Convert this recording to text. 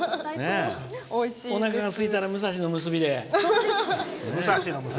おなかがすいたらむさしのむすびで。